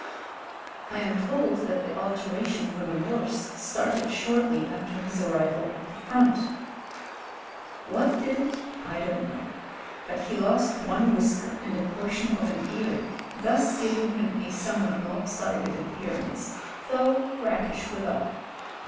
I am told that the alteration for the worse started shortly after his arrival at the front What did it I don't know — but he lost one whisker and a portion of an ear, thus giving him a somewhat lopsided aj^ar ance; though rakish withal.